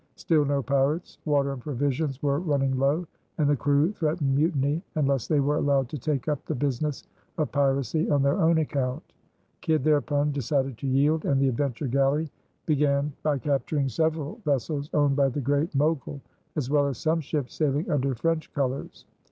Still no pirates. Water and provisions were running low, and the crew threatened mutiny unless they were allowed to take up the business of piracy on their own account. Kidd thereupon decided to yield, and the Adventure Galley began by capturing several vessels owned by the Great Mogul, as well as some ships sailing under French colors.